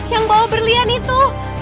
yang bawa belian itu